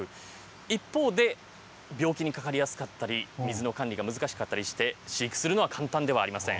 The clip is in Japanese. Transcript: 一方で、病気にかかりやすかったり、水の管理が難しかったりして、飼育するのは簡単ではありません。